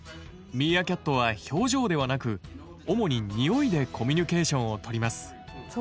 ミーアキャットは表情ではなく主に匂いでコミュニケーションをとります。